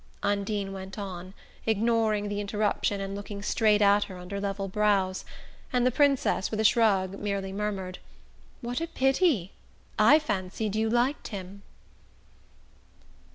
Undine went on, ignoring the interruption and looking straight at her under level brows; and the Princess, with a shrug, merely murmured: "What a pity! I fancied you liked him."